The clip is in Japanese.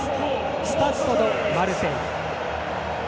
スタッド・ド・マルセイユ。